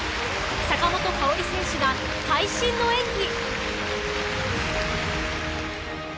坂本花織選手が会心の演技！